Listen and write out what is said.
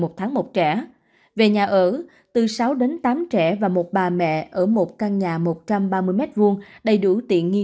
một tháng một trẻ về nhà ở từ sáu đến tám trẻ và một bà mẹ ở một căn nhà một trăm ba mươi m hai